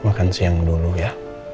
makan siang dulu ya